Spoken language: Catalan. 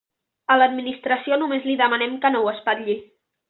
A l'Administració només li demanem que no ho espatlli.